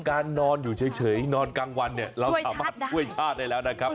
นอนอยู่เฉยนอนกลางวันเนี่ยเราสามารถช่วยชาติได้แล้วนะครับ